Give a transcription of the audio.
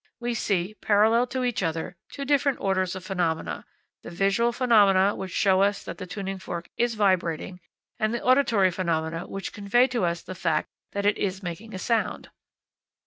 We see, parallel to each other, two different orders of phenomena; the visual phenomena which show us that the tuning fork is vibrating, and the auditory phenomena which convey to us the fact that it is making a sound.